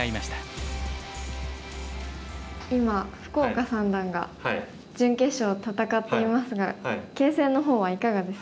今福岡三段が準決勝戦っていますが形勢の方はいかがですか？